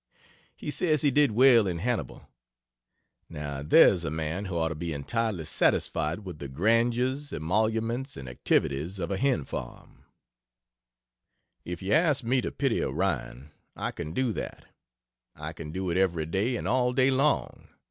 He says he did well in Hannibal! Now there is a man who ought to be entirely satisfied with the grandeurs, emoluments and activities of a hen farm If you ask me to pity Orion, I can do that. I can do it every day and all day long.